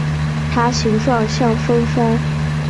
它形状像风帆。